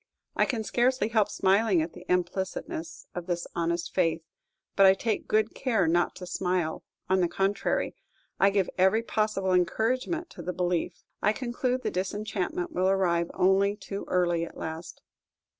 I can scarcely help smiling at the implicitness of this honest faith; but I take good care not to smile; on the contrary, I give every possible encouragement to the belief. I conclude the disenchantment will arrive only too early at last.